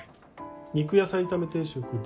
肉野菜炒め定食で。